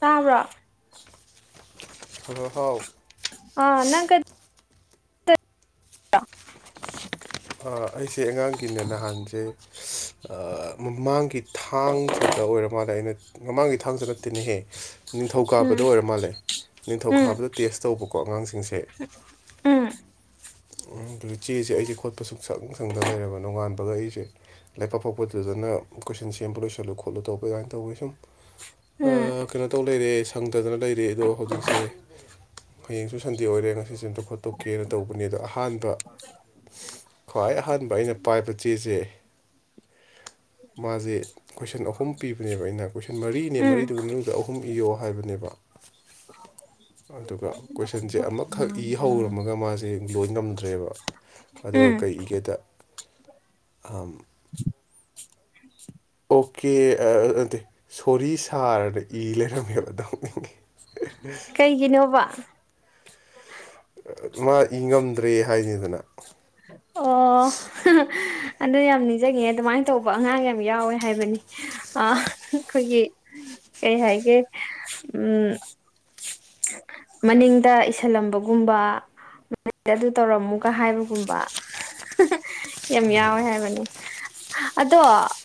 ꯇꯥꯕ꯭ꯔꯣ ꯍꯜꯂꯣ ꯍꯥꯎ ꯑ ꯅꯪ ꯀꯩ ꯑꯩꯁꯦ ꯑꯉꯥꯡꯒꯤꯅꯦ ꯅꯍꯥꯟꯁꯦ ꯑ ꯃꯃꯥꯡꯒꯤ ꯊꯥꯡꯖꯗ ꯑꯣꯏꯔ ꯃꯥꯟꯂꯦ ꯑꯩꯅ ꯃꯃꯥꯡꯒꯤ ꯊꯥꯡꯖ ꯅꯠꯇꯦꯅꯦꯍꯦ ꯅꯤꯡꯊꯧ ꯎꯝ ꯀꯥꯕꯗ ꯑꯣꯏꯔ ꯃꯥꯜꯂꯦ ꯎꯝ ꯅꯤꯡꯊꯧꯀꯥꯕꯗ ꯇꯦꯁ ꯇꯧꯕꯀꯣ ꯑꯉꯥꯡꯁꯤꯡꯁꯦ ꯎꯝ ꯎꯝ ꯑꯗꯨꯏ ꯆꯦꯁꯦ ꯑꯩꯁꯦ ꯈꯣꯠꯄ ꯁꯨꯡ ꯁꯪ ꯁꯪꯗ ꯂꯩꯔꯕ ꯅꯣꯉꯥꯟꯕ [unintelligible] ꯑꯩꯁꯦ ꯂꯩꯄꯥꯛꯄꯣꯛꯄꯥꯗꯅ ꯀꯣꯏꯁꯟ ꯁꯦꯝꯕ ꯂꯣꯏꯁꯜꯂꯨ ꯈꯣꯠꯂꯨ ꯇꯧꯕ ꯑꯗꯨꯃꯥꯏꯅ ꯇꯧꯋꯤ ꯁꯨꯝ ꯑ ꯎꯝ ꯀꯩꯅꯣ ꯇꯧ ꯂꯩꯔꯦ ꯁꯪꯗꯗꯅ ꯂꯩꯔꯦ ꯑꯗꯣ ꯍꯧꯖꯤꯛꯁꯦ ꯍꯌꯦꯡꯁꯨ ꯁꯟꯗꯦ ꯑꯣꯏꯔꯦ ꯉꯁꯤꯁꯦ ꯑꯝꯇ ꯈꯣꯠꯇꯣꯛꯀꯦꯅ ꯇꯧꯕꯅꯤꯗ ꯑꯍꯥꯟꯕ [unintelligible] ꯈ꯭ꯋꯥꯏ ꯑꯍꯥꯟꯕ ꯑꯩꯅ ꯄꯥꯏꯕ ꯆꯦꯁꯦ ꯃꯥꯁꯦ ꯀꯣꯏꯁꯟ ꯑꯍꯨꯝ ꯄꯤꯕꯅꯦꯕ ꯑꯩꯅ ꯀꯣꯏꯁꯟ ꯃꯔꯤꯅꯦ ꯎꯝ ꯃꯔꯤꯗꯨꯒꯤ ꯃꯅꯨꯡꯗ ꯑꯍꯨꯝ ꯏꯌꯣ ꯍꯥꯏꯕꯅꯦꯕ ꯑꯗꯨꯒ ꯀꯣꯏꯁꯟꯁꯦ ꯑꯃꯈꯛ ꯏ ꯍꯧꯔꯝꯃꯒ ꯃꯥꯁꯦ ꯂꯣꯏ ꯉꯝꯗ꯭ꯔꯦꯕ ꯑꯗꯨꯒ ꯎꯝ ꯀꯔꯤ ꯏꯒꯦꯗ ꯑꯝ ꯑꯣꯀꯦ ꯑ ꯅꯠꯇꯦ ꯁꯣꯔꯤ ꯁꯥꯔꯅ ꯏ ꯂꯩꯔꯝꯃꯦꯕ ꯅꯣꯛꯅꯤꯡꯉꯤ ꯀꯩꯒꯤꯅꯣꯕ ꯃꯥ ꯏ ꯉꯝꯗ꯭ꯔꯦ ꯍꯥꯏꯅꯤꯗꯅ ꯑꯣ ꯑꯗꯨ ꯌꯥꯝ ꯅꯤꯡꯁꯤꯡꯉꯦ ꯑꯗꯨꯃꯥꯏꯅ ꯇꯧꯕ ꯑꯉꯥꯡ ꯌꯥꯝ ꯌꯥꯎꯋꯦ ꯍꯥꯏꯕꯅꯤ ꯑ ꯑꯩꯈꯣꯏꯒꯤ ꯀꯩ ꯍꯥꯏꯒꯦ ꯎꯝ [inaudible] ꯃꯅꯤꯡꯗ ꯏꯁꯤꯜꯂꯝꯕꯒꯨꯝꯕ ꯑꯗꯨ ꯇꯧꯔꯝꯃꯨꯒ ꯍꯥꯏꯕꯒꯨꯝꯕ ꯌꯥꯝ ꯌꯥꯎꯋꯦ ꯍꯥꯏꯕꯅꯤ ꯑꯗꯣ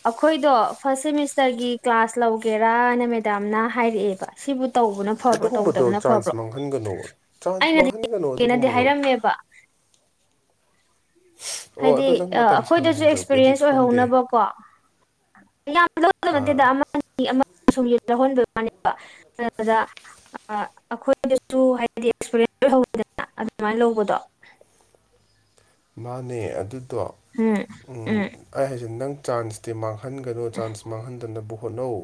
ꯑꯩꯈꯣꯏꯗꯣ ꯐꯥꯔꯁ ꯁꯦꯃꯤꯁꯇꯔꯒꯤ ꯀ꯭ꯂꯥꯁ ꯂꯧꯒꯦꯔꯥꯅ ꯃꯦꯗꯥꯝꯅ ꯍꯥꯏꯔꯛꯑꯦꯕ ꯁꯤꯕꯨ ꯇꯧꯕꯅ ꯐꯕ꯭ꯔꯣ ꯑꯗꯨꯒꯨꯝꯕꯗꯣ ꯇꯧꯗꯕꯅ ꯐꯕ꯭ꯔꯣ ꯆꯥꯟꯁ ꯃꯥꯡꯍꯟꯒꯅꯣ ꯆꯥꯟꯁ ꯑꯩꯅꯗꯤ ꯃꯥꯡꯍꯟꯒꯅꯣ [unintelligible] ꯅꯗꯤ ꯑꯗꯨꯒꯨꯝꯕꯗꯣ ꯍꯥꯏꯔꯝꯃꯦꯕ ꯑꯣ ꯍꯥꯏꯗꯤ ꯑꯗꯣ ꯅꯪ ꯃꯇꯝ ꯑꯩꯈꯣꯏꯗꯁꯨ ꯁꯪꯗ꯭ꯔꯒꯗꯤ ꯑꯦꯛꯁꯄꯤꯔꯤꯌꯦꯟꯁ ꯈꯪꯗꯦ ꯑꯣꯏꯍꯧꯅꯕꯀꯣ ꯌꯥꯝ ꯂꯧꯗꯣꯕ ꯑꯥ ꯅꯠꯇꯦꯗ ꯑꯃ ꯑꯅꯤ [unintelligible] ꯁꯨꯝ ꯂꯧꯍꯟꯕꯒꯤ ꯋꯥꯅꯦꯕ ꯑ ꯑꯩꯈꯣꯏꯗꯁꯨ ꯍꯥꯏꯗꯤ ꯑꯦꯛꯁꯄꯤꯔꯤꯟꯁ ꯑꯣꯏꯍꯧꯏꯗꯅ ꯑꯗꯨꯃꯥꯏꯅ ꯂꯧꯕꯗꯣ ꯃꯥꯅꯦ ꯑꯗꯨꯗꯣ ꯎꯝ ꯎꯝ ꯑꯩ ꯍꯥꯏꯁꯦ ꯅꯪ ꯆꯥꯟꯁ ꯇꯤ ꯃꯥꯡꯍꯟꯒꯅꯨ ꯆꯥꯟꯁ ꯃꯥꯡꯍꯟꯗꯅꯕ ꯍꯣꯠꯅꯧ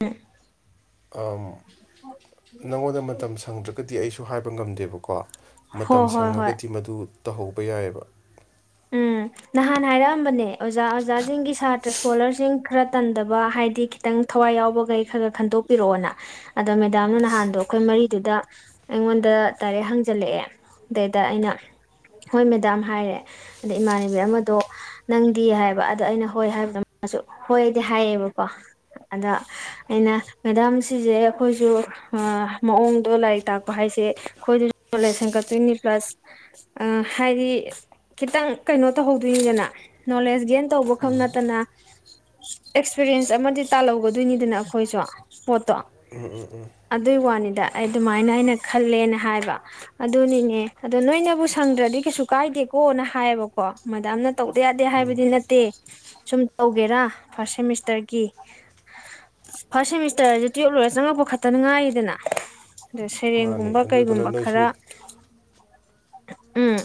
ꯍꯨ ꯎꯝ ꯑꯥꯝ ꯅꯪꯉꯣꯟꯗ ꯃꯇꯝ ꯁꯪꯗ꯭ꯔꯒꯗꯤ ꯑꯩꯁꯨ ꯍꯥꯢꯕ ꯉꯝꯗꯦꯕꯀꯣ ꯃꯇꯝ ꯍꯣꯏ ꯍꯣꯏ ꯍꯣꯏ ꯁꯪꯉꯒꯗꯤ ꯃꯗꯨ ꯇꯧꯍꯧꯕ ꯌꯥꯢꯑꯕ ꯎꯝ ꯅꯍꯥꯟ ꯍꯥꯢꯔꯛꯑꯝꯕꯅꯦ ꯑꯣꯖꯥ ꯑꯣꯖꯥꯁꯤꯡꯒꯤ ꯁꯥꯇ꯭ꯔ ꯏꯁꯀꯣꯂꯔꯁꯤꯡ ꯈꯔ ꯇꯟꯗꯕ ꯍꯥꯏ꯫ꯢꯗꯤ ꯈꯤꯇꯪ ꯊꯋꯥꯢ ꯌꯥꯎꯕꯈꯩ ꯈꯔ ꯈꯔ ꯈꯟꯗꯣꯛꯄꯤꯔꯛꯑꯣꯅ ꯑꯗꯣ ꯃꯦꯗꯥꯝꯅ ꯅꯍꯥꯟꯗꯣ ꯑꯩꯈꯣꯢ ꯃꯔꯤꯗꯨꯗ ꯑꯩꯉꯣꯟꯗ ꯗꯥꯢꯔꯦ ꯍꯪꯖꯜꯂꯛꯑꯦ ꯗꯩꯗ ꯑꯩꯅ ꯍꯣꯢ ꯃꯦꯗꯥꯝ ꯍꯥꯢꯔꯦ ꯑꯗꯩ ꯏꯃꯥꯟꯅꯕꯤ ꯑꯃꯗꯣ ꯅꯪꯗꯤ ꯍꯥꯢꯕ ꯑꯗ ꯑꯩꯅ ꯍꯣꯢ ꯍꯥꯢꯕꯗ ꯃꯥꯁꯨ ꯍꯣꯢꯗꯤ ꯍꯥꯏꯌꯦꯕꯀꯣ ꯑꯗꯣ ꯑꯩꯅ ꯃꯦꯗꯥꯝ ꯁꯤꯁꯦ ꯑꯩꯈꯣꯢꯁꯨ ꯑ ꯃꯑꯣꯡꯗꯣ ꯂꯥꯢꯔꯤꯛ ꯇꯥꯛꯄ ꯍꯥꯢꯁꯦ ꯑꯩꯈꯣꯢꯗꯁꯨ [unintelligible] ꯍꯦꯟꯒꯠꯇꯣꯢꯅꯤ ꯄ꯭ꯂꯁ ꯑ ꯍꯥꯢꯗꯤ ꯈꯤꯇꯪ ꯀꯩꯅꯣ ꯇꯧꯍꯧꯗꯣꯢꯅꯤꯗꯅ ꯅꯣꯂꯦꯖ ꯒꯦꯟ ꯇꯧꯕꯈꯛ ꯅꯠꯇꯅ ꯑꯦꯛꯁꯄꯤꯔꯤꯌꯦꯟꯁ ꯑꯃꯗꯤ ꯇꯥꯜꯍꯧꯒꯗꯣꯢꯅꯤꯗꯅ ꯑꯩꯈꯣꯢꯁꯨ ꯄꯣꯠꯇꯣ ꯑꯗꯨꯢ ꯋꯥꯅꯤꯗ ꯑꯩ ꯑꯗꯨꯃꯥꯢꯅ ꯑꯩꯅ ꯈꯜꯂꯦꯅ ꯍꯥꯢꯕ ꯑꯗꯨꯅꯤꯅꯦ ꯑꯗꯣ ꯅꯣꯢꯅꯕꯨ ꯁꯪꯗ꯭ꯔꯗꯤ ꯀꯩꯁꯨ ꯀꯥꯢꯗꯦ ꯍꯣꯅ ꯍꯥꯢꯌꯦꯕꯀꯣ ꯃꯦꯗꯥꯝꯅ ꯇꯧꯗ ꯌꯥꯗꯦ ꯍꯥꯢꯕꯗꯤ ꯅꯠꯇꯦ ꯁꯨꯝ ꯇꯧꯒꯦꯔꯥ ꯐꯥꯔꯁ ꯁꯦꯃꯤꯁꯇꯔꯒꯤ ꯐꯥꯔꯁꯠ ꯁꯦꯃꯤꯁꯇꯔꯁꯦ ꯇꯨꯌꯦꯞ ꯂꯣꯏꯔ ꯆꯪꯉꯛꯄ ꯈꯛꯇꯅ ꯉꯥꯢꯔꯤꯗꯅ ꯑ ꯁꯩꯔꯦꯡ ꯃꯥꯅꯦ ꯒꯨꯝꯕ ꯑꯗꯨꯗꯨꯅ ꯀꯩꯒꯨꯝꯕ ꯅꯣꯏꯁꯨ ꯈꯔ ꯎꯝ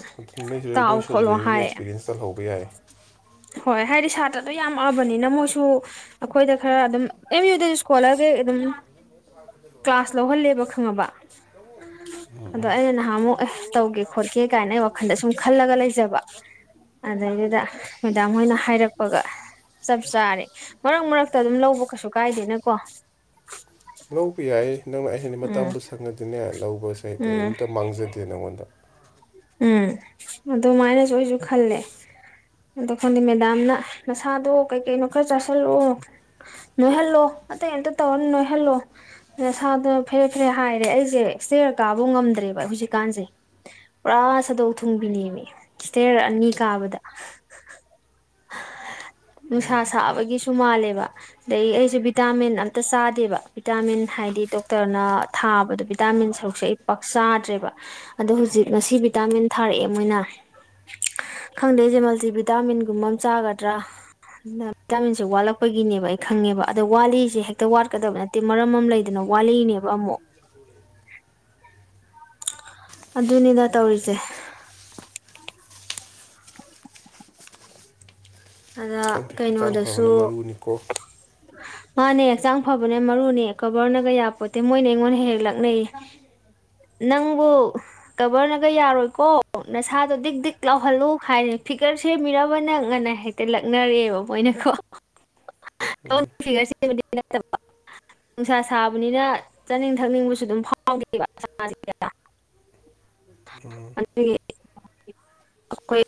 ꯅꯣꯢꯗ ꯇꯥꯛꯑꯣ ꯅꯣꯢ ꯈꯣꯠꯂꯣ ꯁꯨꯗꯩꯁꯤꯗ ꯑꯦꯛꯁꯄꯤꯔꯦꯟꯁ ꯇꯜꯍꯧꯕ ꯌꯥꯢ ꯍꯣꯢ ꯍꯥꯏ꯫ꯢꯗꯤ ꯁꯥꯇ꯭ꯔꯗꯣ ꯌꯥꯝ ꯑꯕꯅꯤꯅ ꯃꯣꯢꯁꯨ ꯑꯩꯈꯣꯢꯗ ꯈꯔ ꯑꯗꯨꯝ ꯑꯦꯝ ꯌꯨꯗ ꯢꯁꯀꯣꯂꯔꯖ ꯑꯗꯨꯝ ꯀ꯭ꯂꯥꯁ ꯂꯧꯍꯜꯂꯦꯕ ꯈꯪꯉꯕ ꯑꯗꯣ ꯑꯩꯅ ꯅꯍꯥꯟ ꯃꯨꯛ ꯑꯦ ꯇꯧꯒꯦ ꯈꯣꯠꯀꯦ ꯀꯥꯢꯅ ꯑꯩ ꯋꯥꯈꯜꯗ ꯁꯨꯝ ꯈꯜꯂꯒ ꯂꯩꯖꯕ ꯑꯗꯩꯗꯨꯗ ꯃꯦꯗꯥꯝ ꯍꯣꯢꯅ ꯍꯥꯢꯔꯛꯄꯒ ꯆꯞ ꯆꯥꯔꯦ ꯃꯔꯛ ꯃꯔꯛꯇ ꯑꯗꯨꯝ ꯂꯧꯕ ꯀꯩꯁꯨ ꯀꯥꯢꯗꯦꯅꯀꯣ ꯂꯧꯕ ꯌꯥꯢ ꯅꯪꯅ ꯑꯍꯦꯟ ꯎꯝ ꯃꯇꯝꯕꯨ ꯁꯪꯉꯗꯤꯅꯦ ꯂꯧꯕꯁꯦ ꯎꯝ ꯀꯔꯤꯝꯇ ꯃꯥꯡꯖꯗꯦ ꯅꯪꯉꯣꯟꯗ ꯎꯝ ꯑꯗꯨꯃꯥꯢꯅꯖꯨ ꯑꯩꯖꯨ ꯈꯜꯂꯦ ꯑꯗꯣ ꯈꯪꯗ ꯃꯦꯗꯥꯝꯅ ꯅꯁꯥꯗꯣ ꯀꯩ ꯀꯩꯅꯣ ꯈꯔ ꯆꯥꯥꯁꯜꯂꯨ ꯅꯣꯢꯍꯜꯂꯣ ꯑꯇꯩ ꯑꯝꯇ ꯇꯧꯔꯅꯣ ꯅꯣꯢꯍꯜꯂꯣ ꯅꯁꯥꯗꯣ ꯐꯦꯔꯦ ꯐꯦꯔꯦ ꯍꯥꯢꯔꯦ ꯑꯩꯁꯦ ꯏꯁꯇꯦꯌꯔ ꯀꯥꯕ ꯉꯝꯗ꯭ꯔꯦꯕ ꯍꯧꯖꯤꯛꯀꯥꯟꯁꯦ ꯄꯨꯔꯥ ꯁꯥꯗꯣꯛ ꯊꯨꯡꯕꯤꯅꯦꯃꯤ ꯏꯁꯜꯇꯤꯌꯔ ꯑꯅꯤ ꯀꯥꯕꯗ ꯅꯨꯡꯁꯥ ꯁꯥꯕꯒꯤꯁꯨ ꯃꯥꯜꯂꯦꯕ ꯑꯗꯩ ꯑꯩꯁꯦ ꯚꯤꯇꯥꯃꯤꯟ ꯑꯝꯇ ꯆꯥꯗꯦꯕ ꯚꯤꯇꯥꯃꯤꯟ ꯍꯥꯢꯗꯤ ꯗꯣꯛꯇꯔꯅ ꯊꯥꯕꯗꯣ ꯚꯤꯇꯥꯃꯤꯟ ꯁꯔꯨꯛꯁꯦ ꯑꯩ ꯄꯥꯛ ꯆꯥꯥꯗ꯭ꯔꯦꯕ ꯑꯗꯣ ꯍꯧꯖꯤꯛ ꯉꯁꯤ ꯚꯤꯇꯥꯃꯤꯟ ꯊꯥꯔꯛꯑꯦ ꯃꯣꯢꯅ ꯈꯪꯗꯦ ꯑꯩꯁꯦ ꯃꯜꯇꯤꯚꯤꯇꯥꯃꯤꯟꯒꯨꯝꯕ ꯑꯃ ꯆꯥꯒꯗ꯭ꯔꯥ ꯑꯗꯨꯅ ꯚꯤꯇꯥꯥꯃꯤꯟꯁꯦ ꯋꯥꯠꯂꯛꯄꯒꯤꯅꯦꯕ ꯑꯩ ꯈꯪꯉꯦꯕ ꯑꯗꯣ ꯋꯥꯠꯂꯤꯁꯦ ꯍꯦꯛꯇ ꯋꯥꯠꯀꯗꯕ ꯅꯠ ꯇꯦ ꯃꯔꯝ ꯑꯃ ꯂꯩꯗꯅ ꯋꯥꯠꯂꯤꯛꯏꯅꯦꯕ ꯑꯃꯨꯛ ꯑꯗꯨꯅꯤꯗ ꯇꯧꯔꯤꯖꯦ ꯑꯗ ꯀꯩꯅꯣꯗ ꯑꯃ ꯃꯔꯨꯅꯤꯀꯣ [unintelligible] ꯃꯥꯅꯦ ꯍꯛꯆꯥꯡ ꯐꯕꯅꯦ ꯃꯔꯨꯅꯦ ꯀꯕꯔꯅꯒ ꯌꯥꯄꯣꯠꯇꯦ ꯃꯣꯢꯅ ꯑꯩꯉꯣꯟꯗ ꯍꯦꯍꯦꯛ ꯂꯛꯅꯩ ꯅꯪꯕꯨꯨ ꯀꯕꯔꯅꯒ ꯌꯥꯔꯣꯏꯀꯣ ꯅꯁꯥꯗꯣ ꯗꯤꯛ ꯗꯤꯛ ꯂꯥꯎꯍꯜꯂꯨ ꯍꯥꯏꯔꯦ ꯐꯤꯒꯔ ꯁꯦꯝꯃꯤꯔꯕ ꯅꯪ ꯉꯟꯅ ꯍꯦꯛ ꯇ ꯂꯛꯅꯔꯑꯦꯕ ꯃꯣꯏꯅꯀꯣ ꯐꯤꯒꯔ ꯁꯦꯝꯕꯗꯤ ꯅꯠꯇꯕ ꯅꯨꯡꯁꯥ ꯁꯥꯕꯅꯤꯅ ꯆꯥꯅꯤꯡ ꯊꯛꯅꯤꯡꯕꯁꯨ ꯗꯨꯝ ꯐꯥꯎꯗꯦꯕ [unintelligible] ꯑꯗꯨꯒꯤ ꯑꯩꯈꯣꯏ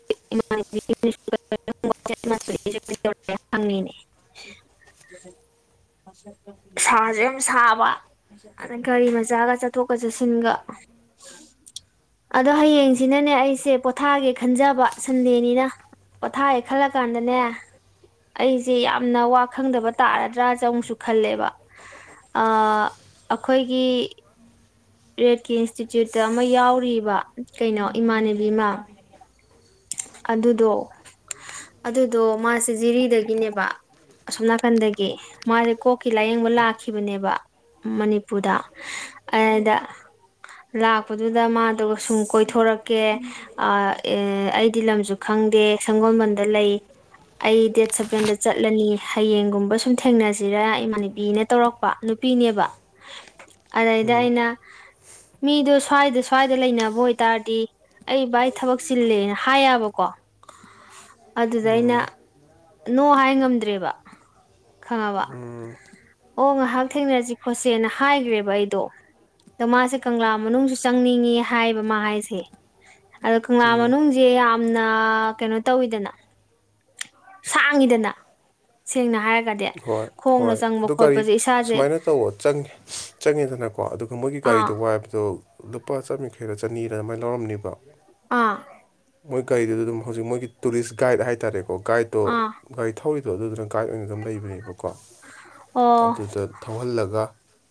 [unintelligible] ꯍꯪꯉꯤꯅꯦ [unintelligible] ꯃꯁꯛ ꯁꯥꯁꯨ ꯌꯥꯝ ꯁꯥꯕ ꯑꯗ ꯒꯥꯔꯤ ꯃꯆꯥꯒ ꯆꯠꯊꯣꯛꯀ ꯆꯠꯁꯤꯟꯒ ꯑꯗꯣ ꯍꯌꯦꯡꯁꯤꯅꯅꯦ ꯑꯩꯁꯦ ꯄꯣꯊꯥꯒꯦ ꯈꯟꯖꯕ ꯁꯟꯗꯦꯅꯤꯅ ꯄꯣꯊꯥꯒꯦ ꯈꯜꯂ ꯀꯥꯟꯗꯅꯦ ꯑꯩꯖꯦ ꯌꯥꯝꯅ ꯋꯥ ꯈꯪꯗꯕ ꯇꯥꯔꯗ꯭ꯔꯥꯖꯦ ꯑꯃꯨꯛꯁꯨ ꯈꯜꯂꯦꯕ ꯑ ꯑꯩꯈꯣꯏꯒꯤ ꯔꯦꯠꯀꯤ ꯏꯟꯁꯇꯤꯇ꯭ꯌꯨꯠꯇ ꯑꯃ ꯌꯥꯎꯔꯤꯕ ꯀꯩꯅꯣ ꯏꯃꯥꯟꯅꯕꯤ ꯑꯃ ꯑꯗꯨꯗꯣ ꯑꯗꯨꯗꯣ ꯃꯥꯁꯦ ꯖꯤꯔꯤꯗꯒꯤꯅꯦꯕ ꯑꯁꯣꯝ ꯅꯥꯀꯟꯗꯒꯤ ꯃꯥꯁꯦ ꯀꯣꯛꯀꯤ ꯂꯥꯏꯌꯦꯡꯕ ꯂꯥꯛꯈꯤꯕꯅꯦꯕ ꯃꯅꯤꯄꯨꯔꯗ ꯑꯔꯗ ꯂꯥꯛꯄꯗꯨꯗ ꯃꯥꯗꯣ ꯁꯨꯝ ꯀꯣꯏꯊꯣꯔꯛꯀꯦ ꯑ ꯑꯦ ꯑꯩꯗꯤ ꯂꯝꯁꯨ ꯈꯪꯗꯦ ꯁꯪꯒꯣꯜꯕꯟꯗ ꯂꯩ ꯑꯩ ꯗꯦꯠ ꯁꯚꯦꯟꯗ ꯆꯠꯂꯅꯤ ꯍꯌꯦꯡꯒꯨꯝꯕ ꯁꯨꯝ ꯊꯦꯡꯅꯁꯤꯔ ꯏꯃꯥꯟꯅꯕꯤꯅ ꯇꯧꯔꯛꯄ ꯅꯨꯄꯤꯅꯦꯕ ꯑꯗꯩꯗ ꯑꯩꯅ ꯃꯤꯗꯣ ꯁ꯭ꯋꯥꯏꯗ ꯁ꯭ꯋꯥꯏꯗ ꯂꯩꯅꯕ ꯑꯣꯏ ꯇꯥꯔꯗꯤ ꯑꯩ ꯕꯥꯥꯏ ꯊꯕꯛ ꯆꯤꯜꯂꯦꯅ ꯍꯥꯏꯌꯥꯕꯀꯣ ꯑꯗꯨꯗ ꯑꯩꯅ ꯅꯣ ꯍꯥꯏ ꯉꯝꯗ꯭ꯔꯦꯕ ꯈꯪꯉꯕ ꯑꯣ ꯉꯥꯍꯥꯛ ꯊꯦꯡꯅꯖꯤ ꯈꯣꯠꯁꯦꯅ ꯍꯥꯏꯒ꯭ꯔꯦꯕ ꯑꯩꯗꯣ ꯑꯗꯣ ꯃꯥꯁꯦ ꯀꯪꯂꯥ ꯃꯅꯨꯡꯁꯨ ꯆꯪꯅꯤꯡꯉꯤ ꯍꯥꯏꯕ ꯃꯥ ꯍꯥꯏꯁꯦ ꯑꯗꯣ ꯀꯪꯂꯥ ꯃꯅꯨꯡꯖꯦ ꯌꯥꯝꯅ ꯀꯩꯅꯣ ꯇꯧꯋꯤꯗꯅ ꯁꯥꯡꯉꯤꯗꯅ ꯁꯦꯡꯅ ꯍꯥꯏꯔꯒꯗꯤ ꯍꯣꯏ ꯈꯣꯡꯅ ꯍꯣꯏ ꯆꯪꯕ ꯑꯗꯨ ꯒꯥꯔꯤ ꯈꯣꯠꯄꯁꯦ ꯏꯁꯥꯁꯦ ꯁꯨꯃꯥꯏꯅ ꯇꯧꯑꯣ ꯆꯪꯉꯦ ꯆꯪꯉꯦꯗꯅꯀꯣ ꯑꯗꯨꯒ ꯃꯣꯏꯒꯤ ꯒꯥꯔꯤꯗꯣ ꯑꯥ ꯋꯥꯏꯕꯗꯣ ꯂꯨꯄꯥ ꯆꯥꯝ ꯌꯥꯡꯈꯩꯔ ꯆꯅꯤꯔ ꯑꯃꯥꯏ ꯂꯧꯔꯝꯅꯦꯕ ꯑꯥ ꯃꯣꯏ ꯒꯥꯔꯤꯗꯨꯗꯗꯨꯝ ꯍꯧꯖꯤꯛ ꯃꯣꯏꯒꯤ ꯇꯨꯔꯤꯁ ꯒꯥꯏꯠ ꯍꯥꯏ ꯇꯥꯔꯦꯀꯣ ꯒꯥꯏꯗꯇꯣ ꯑꯥ ꯒꯥꯔꯤ ꯊꯧꯔꯤꯗꯣ ꯑꯗꯨꯗꯨꯅ ꯒꯥꯏꯗ ꯑꯣꯏꯅ ꯑꯗꯨꯝ ꯂꯩꯕꯅꯦꯕꯀꯣ [unintelligible] ꯑꯗꯨꯗ ꯊꯧꯍꯜꯂꯒ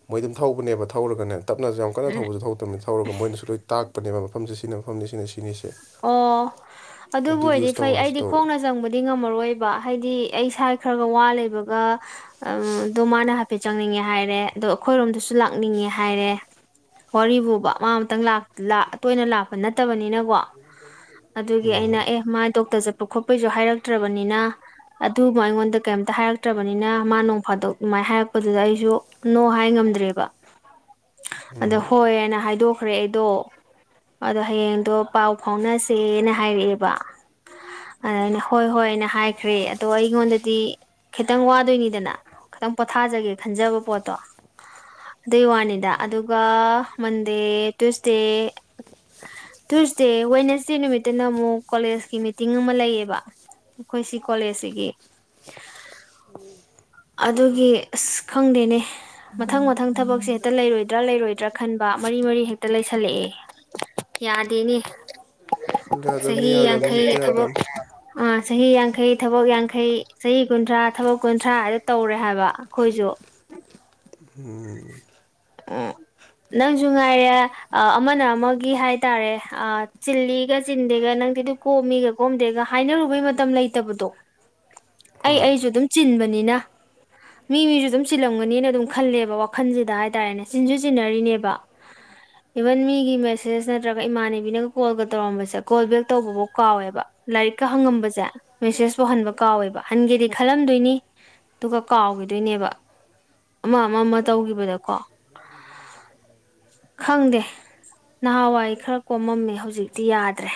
ꯃꯣꯏ ꯑꯗꯨꯝ ꯊꯧꯕꯅꯦꯕ ꯊꯧꯔꯒꯅꯦ ꯇꯞꯅꯁꯨ ꯌꯥꯝ ꯀꯟꯅ ꯎꯝ ꯊꯧꯕꯁꯨ ꯊꯧ ꯇꯝꯅꯦ ꯊꯧꯔꯒ ꯃꯣꯏꯅꯁꯨ ꯂꯣꯏ ꯇꯥꯛꯄꯅꯦꯕ ꯃꯐꯝꯖꯦ ꯁꯤꯅ ꯃꯐꯝꯅꯤ ꯁꯤꯅ ꯁꯤꯅꯤꯁꯤ ꯑꯣ ꯑꯗꯨꯕꯨ ꯑꯣꯏꯗꯤ ꯌꯨꯁ ꯐꯩ ꯇꯧꯔꯁꯨ ꯑꯩꯗꯤ ꯇꯧ ꯈꯣꯡꯅ ꯆꯪꯕ ꯗꯤ ꯉꯝꯃꯔꯣꯏꯕ ꯍꯥꯏꯗꯤ ꯑꯩ ꯏꯁꯥꯏ ꯈꯔꯒ ꯋꯥ ꯂꯩꯕꯒ ꯑ ꯗꯣ ꯃꯥꯅ ꯍꯥꯏꯐꯦꯠ ꯆꯪꯅꯤꯡꯉꯦ ꯍꯥꯏꯔꯦ ꯑꯗꯣ ꯑꯩꯈꯣꯏꯔꯣꯝꯗꯁꯨ ꯂꯥꯛꯅꯤꯡꯉꯦ ꯍꯥꯏꯔꯦ ꯋꯥꯔꯤꯕꯨꯕ ꯃꯥ ꯑꯃꯇꯪ ꯂꯥꯛ ꯂꯥ ꯇꯣꯏꯅ ꯂꯥꯛꯄ ꯅꯠꯇꯕꯅꯤꯅꯀꯣ ꯑꯗꯨꯒꯤ ꯑꯩꯅ ꯑꯦ ꯃꯥꯏ ꯗꯣꯛꯇꯔ ꯆꯠꯄ ꯈꯣꯠꯄꯩꯖꯨ ꯍꯥꯏꯔꯛꯇ꯭ꯔꯕꯅꯤꯅ ꯑꯗꯨꯃ ꯑꯩꯉꯣꯟꯗ ꯀꯩꯝꯇ ꯍꯥꯏꯔꯛꯇ꯭ꯔꯕꯅꯤꯅ ꯃꯥ ꯅꯣꯡ ꯐꯥꯗꯣꯛ ꯎꯃꯥꯏ ꯍꯥꯏꯔꯛꯄꯗꯨꯗ ꯑꯩꯁꯨ ꯅꯣ ꯍꯥꯏ ꯉꯝꯗ꯭ꯔꯦꯕ ꯑꯗ ꯍꯣꯏ ꯑꯅ ꯍꯥꯏꯗꯣꯛꯈ꯭ꯔꯦ ꯑꯩꯗꯣ ꯑꯗꯣ ꯍꯌꯦꯡꯗꯣ ꯄꯥꯎ ꯐꯥꯎꯅꯁꯦꯅ ꯍꯥꯏꯔꯛꯑꯦꯕ ꯑꯗ ꯑꯩꯅ ꯍꯣꯏ ꯍꯣꯏꯅ ꯍꯥꯏꯈ꯭ꯔꯦ ꯑꯗꯣ ꯑꯩꯉꯣꯟꯗꯗꯤ ꯈꯤꯇꯪ ꯋꯥꯗꯣꯏꯅꯤꯗꯅ ꯈꯇꯪ ꯄꯣꯊꯥꯖꯒꯦ ꯈꯟꯖꯕ ꯄꯣꯠꯇꯣ ꯑꯗꯨꯏ ꯋꯥꯅꯤꯗ ꯑꯗꯨꯒ ꯃꯟꯗꯦ ꯇꯨꯏꯁꯗꯦ ꯆꯦ ꯋꯦꯅꯦꯁꯗꯦ ꯅꯨꯃꯤꯠꯇꯅ ꯑꯃꯨꯛ ꯀꯣꯂꯦꯁꯀꯤ ꯃꯤꯇꯤꯡ ꯑꯃ ꯂꯩꯌꯦꯕ ꯑꯩꯈꯣꯏ ꯁꯤ ꯀꯣꯂꯦꯖꯁꯤꯒꯤ [unintelligible] ꯑꯗꯨꯒꯤ ꯑꯁ ꯈꯪꯗꯦꯅꯦ ꯃꯊꯪ ꯃꯊꯪ ꯊꯕꯛꯁꯦ ꯍꯦꯛꯇ ꯂꯩꯔꯣꯏꯗ꯭ꯔꯥ ꯂꯩꯔꯣꯏꯗ꯭ꯔꯥ ꯈꯟꯕ ꯃꯔꯤ ꯃꯔꯤ ꯍꯦꯛꯇ ꯂꯩꯁꯜꯂꯛꯑꯦ ꯌꯥꯗꯦꯅꯦ ꯌꯥꯗꯕꯅꯤ ꯆꯍꯤ ꯌꯥꯗꯕꯅꯤ ꯌꯥꯡꯈꯩ ꯍꯦꯛꯇ ꯊꯕꯛ ꯌꯥꯗꯕꯅꯤ ꯑꯥ ꯆꯍꯤ ꯌꯥꯡꯈꯩ ꯊꯕꯛ ꯌꯥꯡꯈꯩ ꯆꯍꯤ ꯀꯨꯟꯊ꯭ꯔꯥ ꯊꯕꯛ ꯀꯨꯟꯊ꯭ꯔꯥ ꯇꯧꯔꯦ ꯍꯥꯏꯕ ꯑꯩꯈꯣꯏꯁꯨ ꯎꯝ [unintelligible] ꯅꯪꯁꯨ ꯉꯥꯏꯔꯦ ꯑ ꯑꯃꯅ ꯑꯃꯒꯤ ꯍꯥꯏꯇꯥꯔꯦ ꯑ ꯆꯤꯂꯤꯒ ꯆꯤꯟꯗꯦꯒ ꯅꯪꯗꯤꯗꯨ ꯀꯣꯝꯃꯤꯒ ꯀꯣꯝꯗꯦꯒ ꯍꯥꯏꯅꯔꯨꯕꯩ ꯃꯇꯝ ꯂꯩꯇꯕꯗꯣ ꯑꯩ ꯍꯣꯏ ꯑꯩꯁꯨ ꯑꯗꯨꯝ ꯆꯤꯟꯕꯅꯤꯅ ꯃꯤ ꯃꯤꯁꯨ ꯑꯗꯨꯝ ꯆꯤꯜꯂꯝꯒꯅꯤꯅ ꯑꯗꯨꯝ ꯈꯜꯂꯦꯕ ꯋꯥꯈꯟꯁꯤꯗ ꯍꯥꯏ ꯇꯥꯔꯦꯅꯦ ꯆꯤꯟꯁꯨꯨ ꯆꯤꯟꯅꯔꯤꯅꯦꯕ ꯏꯚꯟ ꯃꯤꯒꯤ ꯃꯦꯁꯦꯖ ꯅꯠꯇ꯭ꯔꯒ ꯏꯃꯥꯟꯅꯕꯤꯅꯒ ꯀꯣꯜꯒ ꯇꯧꯔꯝꯕꯁꯦ ꯀꯣꯜ ꯕꯦꯛ ꯇꯧꯕꯕꯧ ꯀꯥꯎꯋꯦꯕ ꯂꯥꯏꯔꯤꯛꯀ ꯍꯪꯉꯝꯕꯁꯦ ꯃꯦꯁꯦꯁꯄꯨ ꯍꯟꯕ ꯀꯥꯎꯋꯦꯕ ꯍꯟꯒꯦꯗꯤ ꯈꯜꯂꯝꯗꯣꯏꯅꯤ ꯑꯗꯨꯒ ꯀꯥꯎꯒꯤꯗꯣꯏꯅꯦꯕ ꯑꯃ ꯑꯃ ꯑꯃ ꯇꯧꯒꯤꯕꯗꯀꯣ ꯈꯪꯗꯦ ꯅꯍꯥꯟꯋꯥꯏ ꯈꯔ ꯀꯣꯝꯃꯝꯃꯦ ꯍꯧꯖꯤꯛꯇꯤ ꯌꯥꯗ꯭ꯔꯦ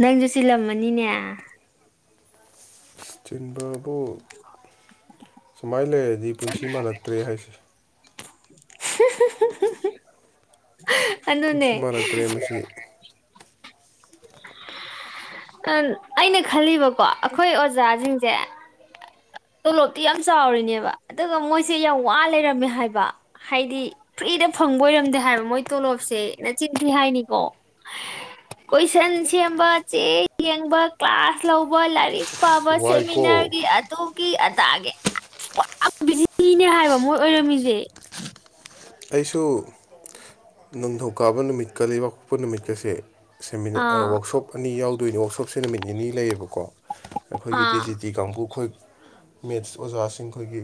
ꯅꯪꯁꯨ ꯆꯤꯜꯂꯝꯃꯅꯤꯅꯦ ꯑꯕꯨ ꯁꯨꯃꯥꯏꯅ ꯂꯩꯔꯗꯤ ꯄꯨꯟꯁꯤ ꯃꯥꯜꯂꯛꯇ꯭ꯔꯦ ꯍꯥꯏꯁꯦ ꯍꯨ ꯍꯨ ꯍꯨ ꯄꯨꯟꯁꯤ ꯍꯤ ꯃꯥꯜꯂꯛꯇ꯭ꯔꯦ ꯑꯗꯨꯅꯦ ꯃꯁꯤ ꯑꯩꯅ ꯈꯜꯂꯤꯕꯀꯣ ꯑꯩꯈꯣꯏ ꯑꯣꯖꯥꯁꯤꯡꯁꯦ ꯇꯣꯂꯣꯞꯇꯤ ꯌꯥꯝ ꯆꯥꯎꯔꯤꯅꯦꯕ ꯑꯗꯨꯒ ꯃꯣꯏꯁꯦ ꯌꯥꯝ ꯋꯥ ꯂꯩꯔꯝꯃꯦ ꯍꯥꯏꯕ ꯍꯥꯏꯗꯤ ꯐ꯭ꯔꯤꯗ ꯐꯪꯕ ꯑꯣꯏꯔꯝꯗꯦ ꯍꯥꯏꯕ ꯃꯣꯏ ꯇꯣꯂꯣꯞꯁꯦ ꯅꯆꯤꯟꯊꯤ ꯍꯥꯏꯅꯤꯀꯣ ꯀꯣꯏꯁꯟ ꯁꯦꯝꯕ ꯆꯦ ꯌꯦꯡꯕ ꯀ꯭ꯂꯥꯁ ꯂꯧꯕ ꯂꯥꯏꯔꯤꯛ ꯄꯥꯕ ꯋꯥꯏꯀꯣ ꯁꯦꯃꯤꯅꯥꯔꯒꯤ ꯑꯗꯨ ꯀꯤ ꯑꯗꯥꯒꯤ ꯑꯁ ꯄꯨꯔꯥ ꯕꯤꯖꯤꯅꯦ ꯍꯥꯏꯕ ꯃꯣꯏ ꯑꯣꯏꯔꯝꯃꯤꯁꯦ ꯑꯩꯁꯨ ꯅꯤꯡꯊꯧꯀꯥꯕ ꯅꯨꯃꯤꯠꯀ ꯂꯩꯕꯥꯛꯄꯣꯛꯄ ꯅꯨꯃꯤꯠꯀꯁꯦ ꯁꯦꯃꯤꯅꯔ ꯑꯥ ꯋꯔꯥꯛꯁꯣꯞ ꯑꯅꯤ ꯌꯥꯎꯗꯣꯏꯅꯤ ꯋꯥꯛꯁꯣꯞꯁꯦ ꯅꯨꯃꯤꯠ ꯅꯤꯅꯤ ꯂꯩꯌꯦꯕꯀꯣ ꯑꯩꯈꯣꯏꯒꯤ ꯑꯥ ꯗꯤꯖꯤ ꯗꯤ ꯀꯥꯡꯕꯨ ꯑꯩꯈꯣꯏ ꯃꯦꯠꯁ ꯑꯣꯖꯥꯁꯤꯡ ꯑꯩꯈꯣꯏꯒꯤ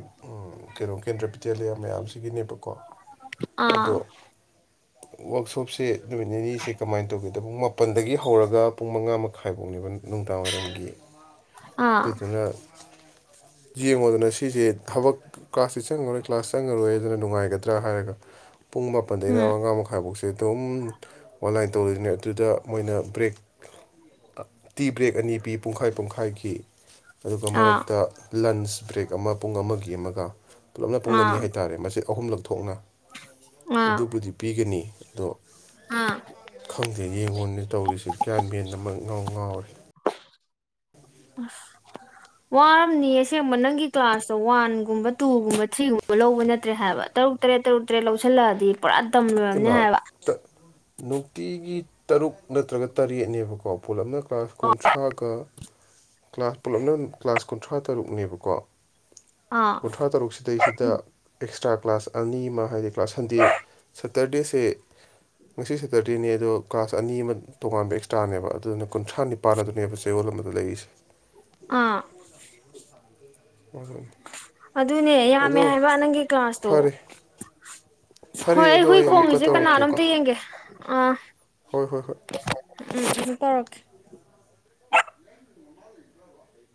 ꯀꯩꯅꯣ ꯀꯦꯟꯗ꯭ꯔ ꯕꯤꯗ꯭ꯌꯥꯂꯌꯥ ꯃꯌꯥꯝꯁꯤꯒꯤꯅꯦꯕꯀꯣ ꯑꯣ [unintelligible] ꯑꯗꯣ ꯋꯥꯛꯁꯣꯞꯁꯦ ꯅꯨꯃꯤꯠ ꯅꯤꯅꯤꯁꯦ ꯀꯃꯥꯏꯅ ꯇꯧꯅꯤ ꯑꯗꯣ ꯄꯨꯡ ꯃꯥꯄꯜꯗꯒꯤ ꯍꯧꯔꯒ ꯄꯨꯡ ꯃꯉꯥ ꯃꯈꯥꯏꯐꯥꯎꯅꯦꯕ ꯅꯨꯡꯗꯥꯡꯋꯥꯏꯔꯝꯒꯤ ꯑꯥ ꯑꯥ ꯑꯗꯨꯗꯨꯅ ꯌꯦꯡꯉꯣꯗꯅ ꯁꯤꯁꯦ ꯊꯕꯛ ꯀ꯭ꯂꯥꯁꯇꯦ ꯆꯪꯉꯔꯣꯏ ꯀ꯭ꯂꯥꯁ ꯆꯪꯉꯔꯣꯏ ꯑꯗꯨꯅ ꯅꯨꯡꯉꯥꯏꯒꯗ꯭ꯔꯥ ꯍꯥꯏꯔꯒ ꯄꯨꯡ ꯃꯥꯄꯟꯗꯩꯅ ꯎꯝ ꯃꯉꯥ ꯃꯈꯥꯏꯐꯥꯎ ꯁꯦ ꯁ ꯑꯗꯨꯝ ꯑꯣꯟꯂꯥꯏꯟ ꯇꯧꯗꯣꯏꯅꯦꯕꯥ ꯑꯗꯨꯗ ꯃꯣꯏꯅ ꯕ꯭ꯔꯦꯛ ꯑꯥ ꯇꯤ ꯕ꯭ꯔꯦꯛ ꯑꯅꯤ ꯄꯤ ꯄꯨꯡꯈꯥꯏ ꯄꯨꯡꯈꯥꯏꯒꯤ ꯑꯗꯨꯒ ꯑꯥ ꯃꯔꯛꯇ ꯂꯟꯁ ꯕ꯭ꯔꯦꯛ ꯑꯃ ꯄꯨꯡ ꯑꯃꯒꯤ ꯑꯃꯒ ꯄꯨꯂꯞꯅ ꯄꯨꯡ ꯑꯅꯤ ꯑꯥ ꯍꯥꯏꯇꯥꯔꯦ ꯃꯁꯤ ꯑꯍꯨꯝꯂꯛ ꯊꯣꯛꯅ ꯑꯥ ꯑꯗꯨꯕꯨꯗꯤ ꯄꯤꯒꯅꯤ ꯑꯗꯣ ꯑꯥ ꯈꯪꯗꯦ ꯌꯦꯡꯉꯣꯟꯅꯦ ꯇꯧꯔꯤꯁꯦ ꯒ꯭ꯌꯥꯟ ꯃꯦꯟ ꯑꯃ ꯏꯉꯥꯎ ꯉꯥꯎꯔꯦ ꯋꯥꯔꯝꯅꯤ ꯑꯁꯦꯡꯕ ꯅꯪꯒꯤ ꯀ꯭ꯂꯥꯁꯇꯣ ꯋꯥꯟꯒꯨꯝꯕ ꯇꯨꯒꯨꯝꯕ ꯊ꯭ꯔꯤꯒꯨꯝꯕ ꯂꯧꯕ ꯅꯠꯇ꯭ꯔꯦ ꯍꯥꯏꯕ ꯇꯔꯨꯛ ꯇꯔꯦꯠ ꯇꯔꯨꯛ ꯇꯔꯦꯠ ꯂꯧꯁꯤꯜꯂꯛꯑꯗꯤ ꯄꯨꯔꯥ ꯗꯝꯂꯣꯏꯔꯝꯅꯤ ꯏꯃꯥ ꯍꯥꯏꯕ ꯅꯨꯡꯇꯤꯒꯤ ꯇꯔꯨꯛ ꯅꯠꯇ꯭ꯔꯒ ꯇꯔꯦꯠꯅꯦꯕꯀꯣ ꯄꯨꯂꯞꯅ ꯀ꯭ꯂꯥꯁ ꯀꯨꯟꯊ꯭ꯔꯥꯒ ꯀ꯭ꯂꯥꯁ ꯄꯨꯂꯞꯅ ꯀ꯭ꯂꯥꯁ ꯀꯨꯟꯊ꯭ꯔꯥ ꯇꯔꯨꯛꯅꯦꯕꯀꯣ ꯑꯥ ꯀꯨꯟꯊ꯭ꯔꯥ ꯇꯔꯨꯛ ꯁꯤꯗꯩꯁꯤꯗ ꯑꯦꯛꯁꯇ꯭ꯔꯥ ꯀ꯭ꯂꯥꯁ ꯑꯅꯤ ꯑꯃ ꯍꯥꯏꯗꯤ ꯀ꯭ꯂꯥꯁ ꯁꯟꯗꯦ ꯁꯇꯔꯗꯦꯁꯦ ꯉꯁꯤ ꯁꯦꯇꯔꯗꯦꯅꯤ ꯑꯗꯣ ꯀ꯭ꯂꯥꯁ ꯑꯅꯤ ꯑꯃ ꯇꯣꯉꯥꯟꯕ ꯑꯦꯛꯁꯇ꯭ꯔꯥꯅꯦꯕ ꯑꯗꯨꯅ ꯀꯨꯟꯊ꯭ꯔꯥꯅꯤ ꯄꯥꯜ ꯑꯗꯨꯅꯦꯕ ꯆꯌꯣꯜ ꯑꯃꯗ ꯂꯩꯔꯤꯁꯤ ꯎ [unintelligible] ꯎꯝ [unintelligible] ꯑꯗꯨꯅꯦ ꯌꯥꯝꯃꯦ ꯍꯥꯏꯕ ꯅꯪꯒꯤ ꯀ꯭ꯂꯥꯁꯇꯣ ꯐꯔꯦ ꯐꯔꯦ ꯍꯣꯏ ꯑꯩ ꯑꯗꯣ ꯍꯨꯏ ꯑꯃꯨꯛꯀ ꯈꯣꯡꯉꯤꯁꯦ ꯇꯧꯔꯛꯀꯦꯀꯣ ꯀꯅꯥꯅꯣꯝꯇ ꯌꯦꯡꯒꯦ ꯑꯥ ꯍꯣꯏ ꯍꯣꯏ ꯍꯣꯏ ꯎꯝ ꯑꯃꯨꯛ ꯇꯧꯔꯛꯀꯦ